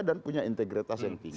dan punya integritas yang tinggi